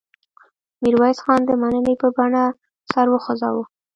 میرویس خان د مننې په بڼه سر وخوځاوه.